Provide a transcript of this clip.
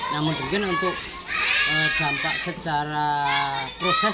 namun mungkin untuk dampak secara proses